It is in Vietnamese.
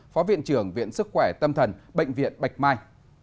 phó viện trưởng viện sức khỏe tâm thần bệnh viện bạch mai